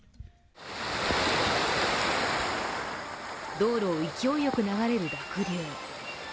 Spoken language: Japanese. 道路を勢いよく流れる濁流。